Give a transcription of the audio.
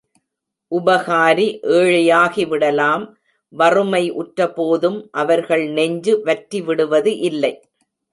உபகாரி ஏழையாகிவிடலாம் வறுமை உற்றபோதும் அவர்கள் நெஞ்சு வற்றிவிடுவது இல்லை.